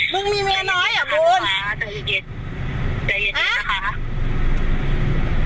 มึงมีเมียน้อยอ่ะมึงใจเย็นใจเย็นนะคะ